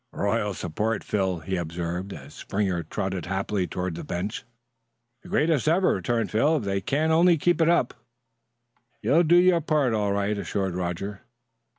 "Royal support, Phil," he observed, as Springer trotted happily toward the bench. "The greatest ever," returned Phil. "If they can only keep it up " "You'll do your part, all right," assured Roger.